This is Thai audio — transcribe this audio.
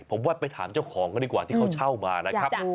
ผมว่าไปถามเจ้าของกันดีกว่าที่เขาเช่ามานะครับ